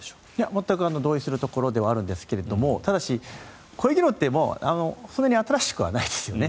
全く同意するところではあるんですがただし、こういう議論ってそんなに新しくはないですよね。